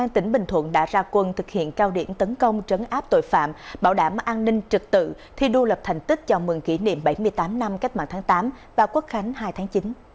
tỉnh bình thuận đã ra quân thực hiện cao điểm tấn công trấn áp tội phạm bảo đảm an ninh trực tự thi đua lập thành tích chào mừng kỷ niệm bảy mươi tám năm cách mạng tháng tám và quốc khánh hai tháng chín